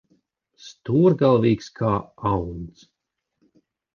Stūrgalvīgs kā auns.